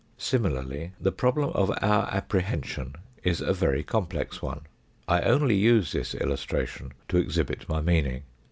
Similarly the problem of our apprehension is a very complex one. I only use this illustration to exhibit my meaning.